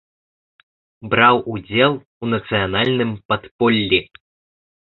Браў удзел у нацыянальным падполлі.